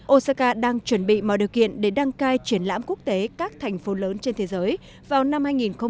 osaka đang chuẩn bị mọi điều kiện để đăng cai triển lãm quốc tế các thành phố lớn trên thế giới vào năm hai nghìn hai mươi